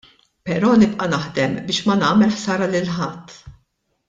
Però nibqa' naħdem biex ma nagħmel ħsara lil ħadd.